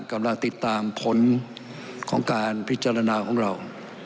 กำลังติดตามผลของการพิจารณาของเรา